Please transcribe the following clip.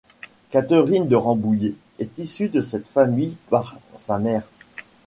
Catherine de Rambouillet est issue de cette famille par sa mère.